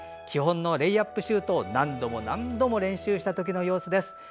基本のレイアップシュートを何度も何度も練習したときの様子です。